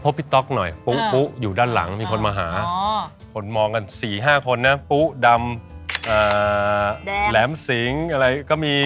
พี่ต๊อกหน่อยปุ๊อยู่ด้านหลังมีคนมาหาคนมองกัน๔๕คนนะปุ๊ดำแหลมสิงอะไรก็มี